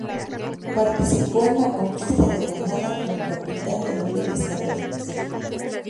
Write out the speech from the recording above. Participó en la conquista de Granada como capitán de los Reyes Católicos.